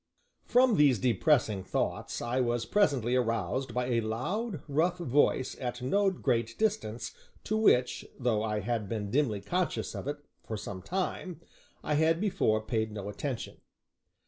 From these depressing thoughts I was presently aroused by a loud, rough voice at no great distance, to which, though I had been dimly conscious of it for some time, I had before paid no attention.